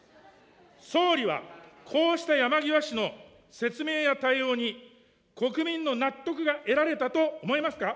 総理は、こうした山際氏の説明や対応に国民の納得が得られたと思いますか。